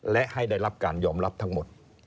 และให้ได้รับการยอมรับทั้งหมด